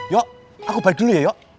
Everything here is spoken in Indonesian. yo aku balik dulu ya yo